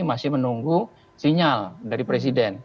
masih menunggu sinyal dari presiden